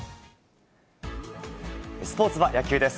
スポーツは野球です。